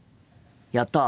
やった！